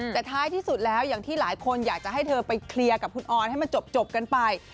แต่ท้ายที่สุดแล้วอย่างที่หลายคนอยากจะให้เธอไปเคลียร์กับคุณออนให้มันจบกันไป